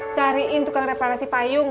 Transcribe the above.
cariin tukang reparasi payung